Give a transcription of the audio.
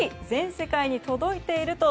全世界に届いている！